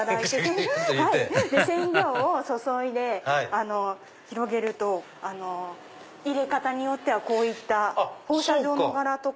アハハハ染料を注いで広げると入れ方によってはこういった放射状の柄とか。